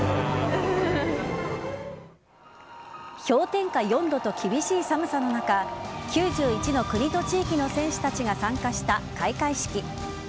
氷点下４度と厳しい寒さの中９１の国と地域の選手たちが参加した開会式。